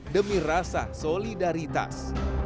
demi rasa solidaritas